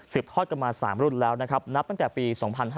ทอดกันมา๓รุ่นแล้วนะครับนับตั้งแต่ปี๒๕๕๙